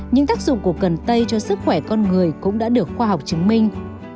những tác dụng của cần tây cho sức khỏe con người cũng đã được khoa học chứng minh